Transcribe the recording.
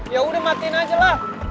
ya udah matiin aja lah